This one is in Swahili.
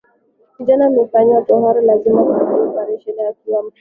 Kijana anaefanyiwa tohara lazima avumilie oparesheni akiwa kimya